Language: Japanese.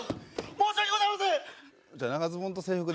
申し訳ございません。